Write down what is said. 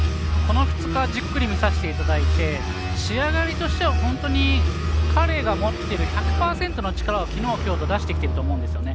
この２日じっくり見させていただいて仕上がりとしては本当に彼が持っている１００％の力をきのう、きょうと出してきていると思います。